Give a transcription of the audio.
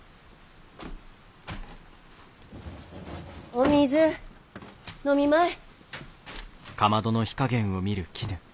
お水飲みまい。